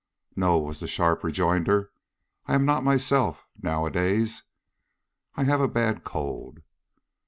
"No?" was the sharp rejoinder. "I'm not myself nowadays. I have a bad cold."